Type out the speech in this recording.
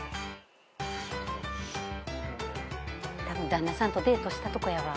旦那さんとデートしたとこやわ。